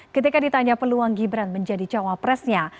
ketika ditanya peluang gibran menjadi cawapresnya